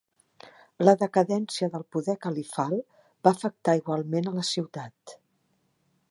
La decadència del poder califal va afectar igualment a la ciutat.